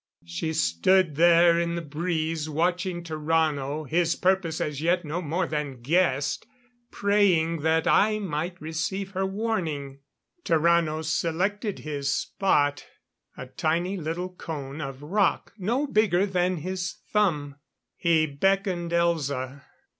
"_ She stood there in the breeze, watching Tarrano his purpose as yet no more than guessed praying that I might receive her warning. Tarrano selected his spot a tiny little cone of rock no bigger than his thumb. He beckoned Elza.